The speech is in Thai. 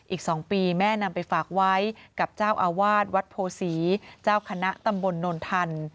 อีก๒ปีแม่นำไปฝากไว้กับเจ้าอาวาสวัดโพศีเจ้าคณะตำบลนนทัน